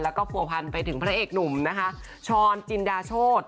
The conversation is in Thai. แล้วก็ผัวพันไปถึงพระเอกหนุ่มนะคะช้อนจินดาโชธ